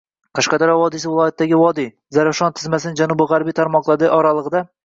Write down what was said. Qashqadaryo vodiysi viloyatdagi vodiy, Zarafshon tizmasining janubi-gʻarbiy tarmoqlari oraligʻida